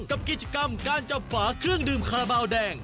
กับกิจกรรมการจับฝาเครื่องดื่มคาราบาลแดง